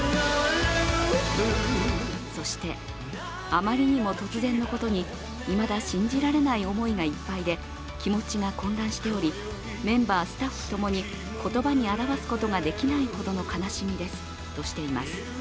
そして、あまりにも突然のことにいまだ信じられない思いがいっぱいで、気持ちが混乱しておりメンバー、スタッフともに言葉に表すことができないほどの悲しみですとしています。